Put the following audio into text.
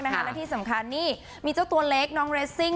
และที่สำคัญนี่มีเจ้าตัวเล็กน้องเรสซิ่ง